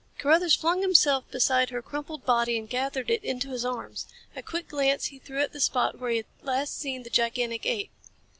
Carruthers flung himself beside her crumpled body and gathered it into his arms. A quick glance he threw at the spot where he had last seen the gigantic ape.